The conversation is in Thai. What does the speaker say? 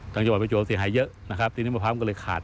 ตังจบไปจวนเสียหายเยอะทีนี้มะพร้าวมันก็เลยขาด